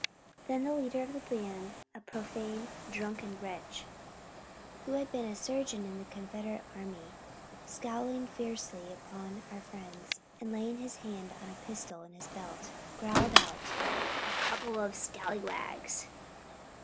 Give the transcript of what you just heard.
Then the leader of the band, a profane, drunken wretch, who had been a surgeon in the Confederate army, scowling fiercely upon our friends and laying his hand on a pistol in his belt, growled out, "A couple of scalawags!